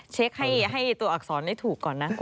เช็คให้ตัวอักษรได้ถูกก่อนนะ